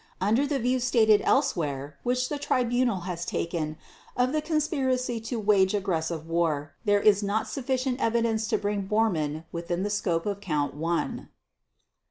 Under the view stated elsewhere which the Tribunal has taken of the conspiracy to wage aggressive war, there is not sufficient evidence to bring Bormann within the scope of Count One.